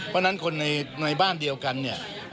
เพราะฉะนั้นคนในบ้านเดียวกันเนี่ย